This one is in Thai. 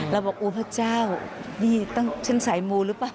เราบอกอุ้ยพระเจ้าดีฉันใส่มูหรือเปล่า